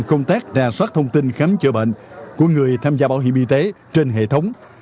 công tác ra soát thông tin khám chữa bệnh của người tham gia bảo hiểm y tế trên hệ thống